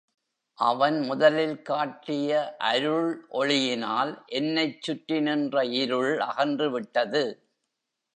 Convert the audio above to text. அவன் முதலில் காட்டிய அருள் ஒளியினால் என்னைச் சுற்றி நின்ற இருள் அகன்றுவிட்டது.